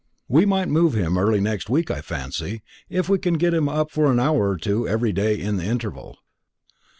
We might move him early next week, I fancy; if we get him up for an hour or two every day in the interval."